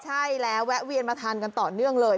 ใช่แล้วแวะเวียนมาทานกันต่อเนื่องเลย